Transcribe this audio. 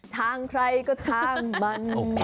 ทางใครก็ทางมัน